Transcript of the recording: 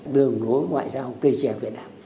đường đối ngoại giao cây trè việt nam